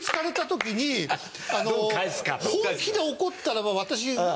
本気で怒ったらば私が。